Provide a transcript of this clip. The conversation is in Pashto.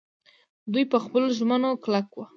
دوی په خپلو ژمنو کلک وو.